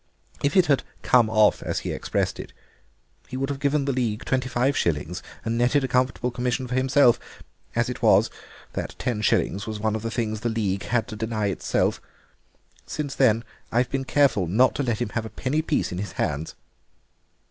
If it had come off, as he expressed it, he would have given the League twenty five shillings and netted a comfortable commission for himself; as it was, that ten shillings was one of the things the League had to deny itself. Since then I've been careful not to let him have a penny piece in his hands."